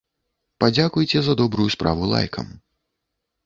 Падзякуйце за добрую справу лайкам!